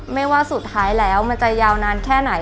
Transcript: ว่าสุดท้ายแล้วมันจะยาวนานแค่ไหน